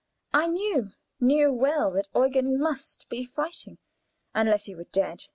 I knew knew well, that Eugen must be fighting unless he were dead.